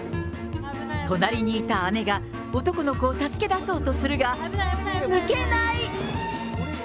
隣にいた姉が、男の子を助け出そうとするが、抜けない。